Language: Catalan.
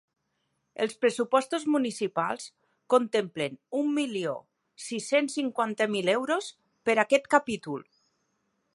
Els pressupostos municipals contemplen un milió sis-cents cinquanta mil euros per a aquest capítol.